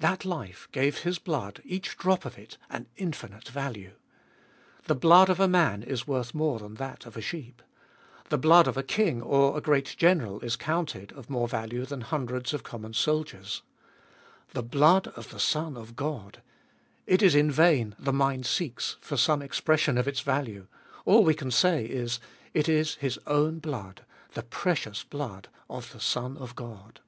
That life gave His blood, each drop of it, an infinite value. The blood of a man is of more worth than that of a sheep. The blood of a king or a great general is counted of more value than hundreds of common soldiers. The blood of the Son of God !— it is in vain the mind seeks for some expression of its value ; all we can say is, it is His own blood, the precious blood of the Son of God